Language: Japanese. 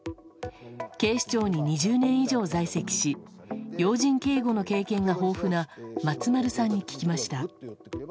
警視庁に２０年以上在籍し要人警護の経験が豊富な松丸さんに聞きました。